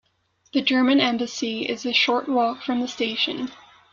The German Embassy is a short walk from the station.